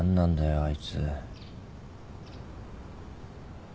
あいつ。